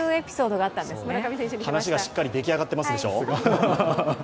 話がしっかりでき上がってますでしょう？